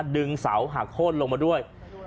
ดึงเสาหักโค้นลงมาด้วย